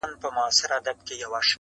چي تيار دي، هغه د يار دي.